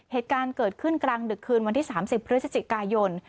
เหตุการณ์เกิดขึ้นกลางดึกคืนวันที่๓๐พฤศจิกายน